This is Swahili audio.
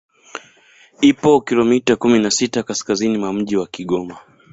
Ipo kilomita kumi na sita kaskazini mwa mji wa Kigoma